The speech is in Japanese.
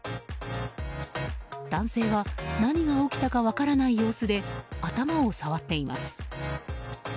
男性は何が起きたか分からない様子で頭を触っています。